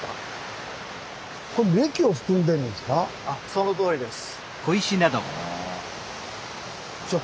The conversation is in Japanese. そのとおりです。